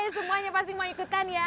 semuanya pasti mau ikutan ya